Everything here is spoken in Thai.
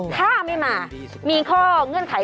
ถ้าไม่มามีข้อเงื่อนไข